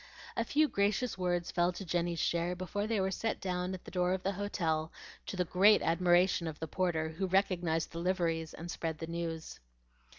A few gracious words fell to Jenny's share before they were set down at the door of the hotel, to the great admiration of the porter, who recognized the liveries and spread the news.